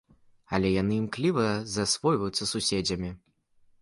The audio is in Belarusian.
Але яны імкліва засвойваюцца суседзямі.